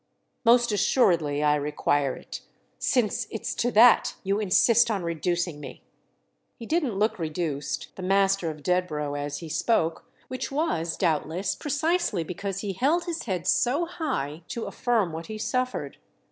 "Most assuredly I require it—since it's to that you insist on reducing me." He didn't look reduced, the master of Dedborough, as he spoke—which was doubtless precisely because he held his head so high to affirm what he suffered.